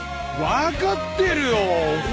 わかってるよ！